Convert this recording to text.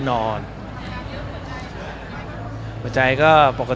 อย่างนี้เปิดใจหรือยังครับ